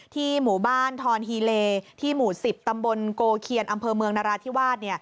หมู่บ้านทอนฮีเลที่หมู่๑๐ตำบลโกเคียนอำเภอเมืองนราธิวาส